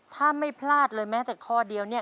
ถ้าไม่พลาดเลยแม้แต่ข้อเดียวเนี่ย